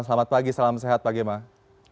selamat pagi salam sehat pak gia mag